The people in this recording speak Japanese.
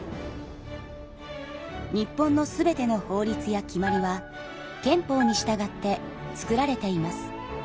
日本の全ての法律や決まりは憲法に従って作られています。